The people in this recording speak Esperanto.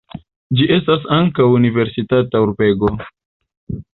Ĝi estas ankaŭ universitata urbego.